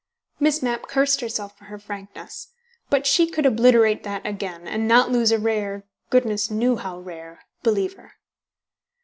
Miss Mapp cursed herself for her frankness. But she could obliterate that again, and not lose a rare (goodness knew how rare!) believer.